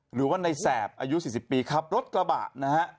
หรือว่าในแสบอายุ๔๐ปีขับรถกระบะนะฮะ